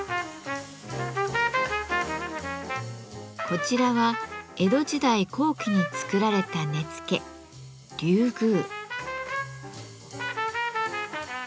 こちらは江戸時代後期に作られた根付「龍宮」。